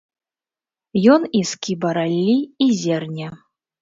Ён і скіба раллі, і зерне.